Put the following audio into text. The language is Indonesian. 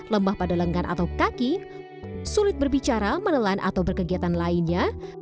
lemah pada lengan atau kaki sulit berbicara menelan atau berkegiatan lainnya